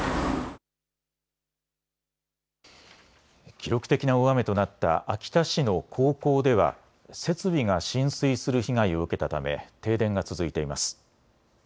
記録的な大雨となった秋田市の高校では設備が浸水する被害を受けたため停電が続いています。